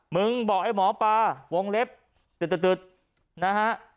มึงบอกไอ้หมอปลาวงเล็บตึ๊ดนะฮะ